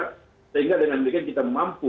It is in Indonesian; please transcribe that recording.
sehingga dengan demikian kita mampu